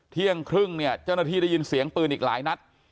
เที่ยงครึ่งเนี่ยเจ้าหน้าที่ได้ยินเสียงปืนอีกหลายนัด